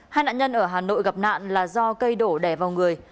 hai nạn nhân ở hà nội gặp nạn là do cây đổ đè vào người